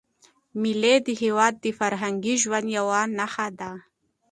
مېلې د هېواد د فرهنګي ژوند یوه نخښه ده.